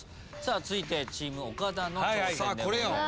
続いてチーム岡田の挑戦でございます。